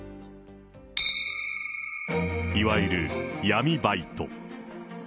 いわゆる闇バイト。